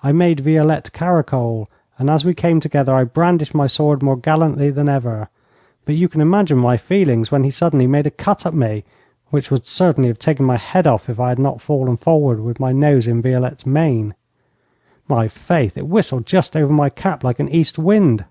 I made Violette caracole, and as we came together I brandished my sword more gallantly than ever, but you can imagine my feelings when he suddenly made a cut at me which would certainly have taken my head off if I had not fallen forward with my nose in Violette's mane. My faith, it whistled just over my cap like an east wind.